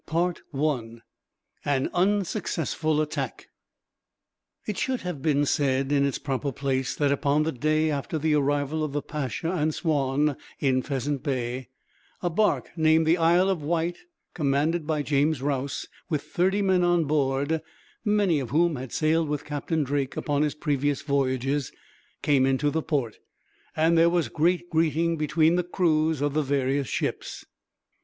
Chapter 4: An Unsuccessful Attack. It should have been said, in its proper place, that upon the day after the arrival of the Pacha and Swanne in Pheasant Bay, a barque named the Isle of Wight, commanded by James Rause, with thirty men on board, many of whom had sailed with Captain Drake upon his previous voyages, came into the port; and there was great greeting between the crews of the various ships.